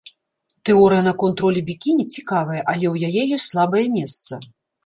Тэорыя наконт ролі бікіні цікавая, аднак у яе ёсць слабае месца.